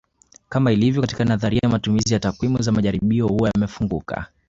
Kama ilivyo katika nadharia matumizi ya takwimu za majaribio huwa yamefunguka